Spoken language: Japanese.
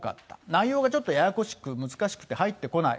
内容がちょっとややこしく難しく入ってこない。